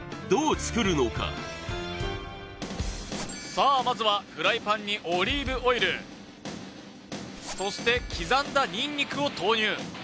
さあまずはフライパンにオリーブオイルそして刻んだにんにくを投入